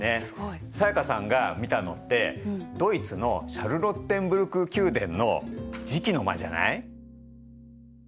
才加さんが見たのってドイツのシャルロッテンブルク宮殿の磁器の間じゃない？